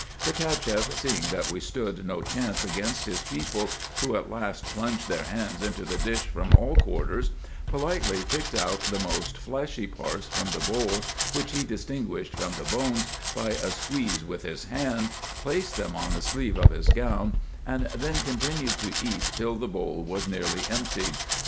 The CachefF seeing that we stood no chance against his people, who at last plunged their hands into the dish from all quarters, politely picked out the most fleshy parts from the bowl, which he distinguished from the bones by a squeeze with his hand, placed them on the sleeve of his gown, and then continued to eat till the bowl was nearly emptied.